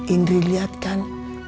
indri lihat kan